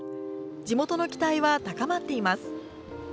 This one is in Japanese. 地元の期待は高まっています。